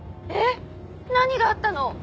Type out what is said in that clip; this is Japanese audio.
えっ⁉何があったの！